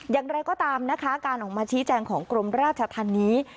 อย่างไรก็ตามนะคะการออกมาชี้แจงของกรมราชธรรมนี้